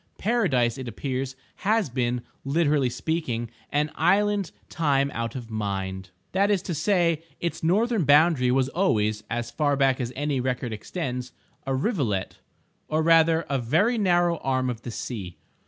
Paradise, it appears, has been, literally speaking, an island time out of mind—that is to say, its northern boundary was always (as far back as any record extends) a rivulet, or rather a very narrow arm of the sea.